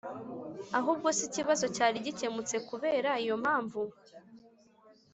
ahubwo se ikibazo cyari gikemutse kubera iyo mpamvu?